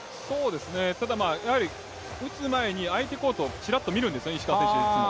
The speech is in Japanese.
ただ、やはり打つ前に相手コートをちらっと見るんですね、石川選手はいつも。